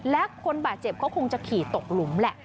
และคนบาดเจ็บเขาคงจะขี่ตกหลุมแหละ